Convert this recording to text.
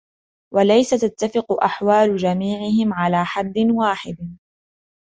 وَلَيْسَ تَتَّفِقُ أَحْوَالُ جَمِيعِهِمْ عَلَى حَدٍّ وَاحِدٍ